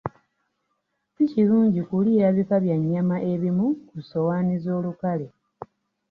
Si kirungi kuliira bika bya nnyama ebimu ku ssowaani ez'olukale.